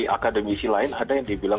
akademisi lain ada yang dibilang